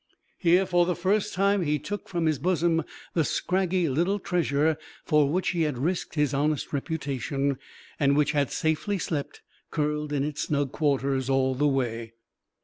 Here for the first time he took from his bosom the scraggy little treasure for which he had risked his honest reputation, and which had safely slept, curled in its snug quarters, all the way.